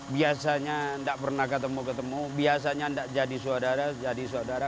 biasanya tidak pernah ketemu ketemu biasanya tidak jadi saudara jadi saudara